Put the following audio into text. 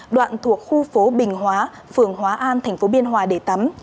đoạn thuộc khu phố bình hóa phường hóa an thành phố biên hòa để tắm